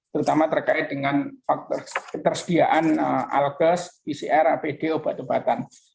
terutama terkait dengan faktor ketersediaan alkes pcr apd obat obatan